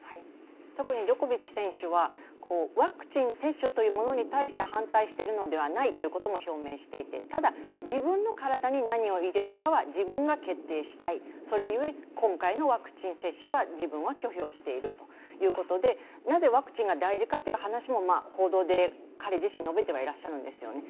特にジョコビッチ選手はワクチン接種というものに反対しているのではないということも表明していて、ただ、自分の体に何を入れるかは自分が決定したい、それゆえ今回のワクチン接種は自分は拒否をしているということでなぜワクチンが大事かという話も報道で彼自身、述べてはいらっしゃるんですよね。